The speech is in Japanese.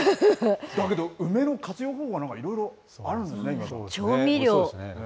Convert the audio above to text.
だけど梅の活用方法、いろいろあるんですね。